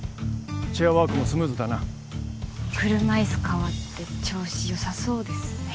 チェアワークもスムーズだな車いす替わって調子良さそうですね